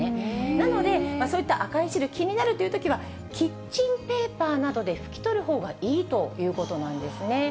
なので、そういった赤い汁、気になるというときは、キッチンペーパーなどで拭き取るほうがいいということなんですね。